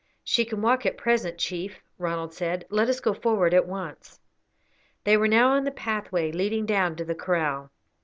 "She can walk at present, chief," Ronald said, "let us go forward at once." They were now on the pathway leading down to the kraal.